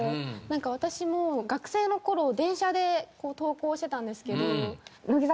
私も学生の頃電車で登校してたんですけど。